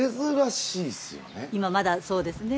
今まだそうですね。